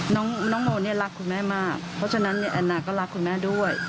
น้องโมรักคุณแม่มากเพราะฉะนั้นแอนนาก็รักคุณแม่ด้วย